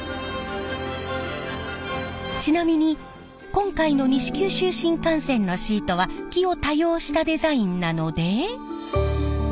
ちなみに今回の西九州新幹線のシートは木を多用したデザインなので。